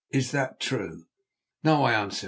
Is that true?" "No," I answered.